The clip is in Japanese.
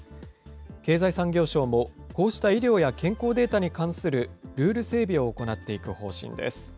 経済産業省も、こうした医療や健康データに関するルール整備を行っていく方針です。